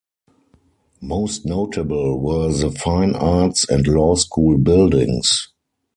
Most notable were the Fine Arts and Law school buildings.